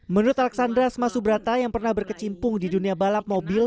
menurut alexandra sma subrata yang pernah berkecimpung di dunia balap mobil